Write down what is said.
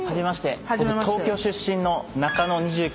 僕東京出身の中野２９歳です。